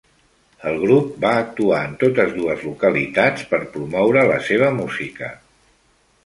El grup va actuar en totes dues localitats per promoure la seva música.